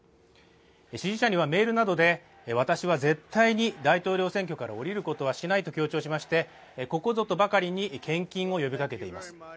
支持者にはメールなどで「私は絶対に大統領選挙から降りることはしない」と強調しここぞとばかりに献金を呼びかけています。